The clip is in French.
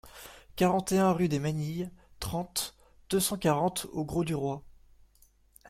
quarante et un rue des Manilles, trente, deux cent quarante au Grau-du-Roi